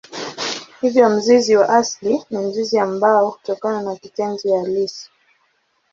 Hivyo mzizi wa asili ni mzizi ambao hutokana na kitenzi halisi.